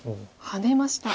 ハネました。